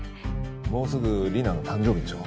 もうすぐリナの誕生日でしょ？